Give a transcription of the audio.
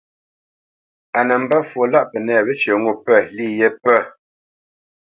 A nə́ mbə́ fwo lâʼ Pənɛ̂ wə́cyə ŋo pə̂ lî yé pə̂.